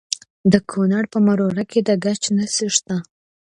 د کونړ په مروره کې د ګچ نښې شته.